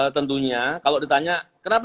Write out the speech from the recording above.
tentunya kalau ditanya kenapa